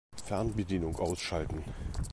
Fernbedienung ausschalten.